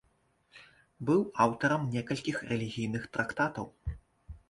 Быў аўтарам некалькіх рэлігійных трактатаў.